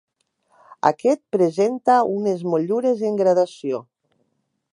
Aquest presenta unes motllures en gradació.